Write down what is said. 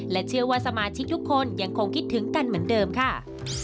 เชื่อว่าสมาชิกทุกคนยังคงคิดถึงกันเหมือนเดิมค่ะ